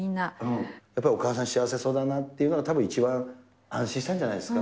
やっぱりお母さん、幸せそうだなっていうのが、たぶん一番安心したんじゃないですか。